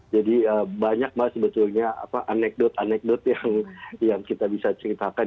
jadi banyak mbak sebetulnya anekdot anekdot yang kita bisa ceritakan